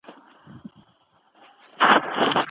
ولي زیارکښ کس د وړ کس په پرتله ژر بریالی کېږي؟